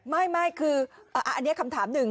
ไม่คืออันนี้คำถามหนึ่ง